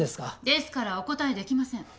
ですからお答えできません。